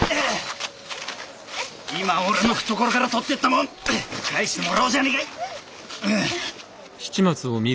今俺の懐から盗っていったもん返してもらおうじゃねえか。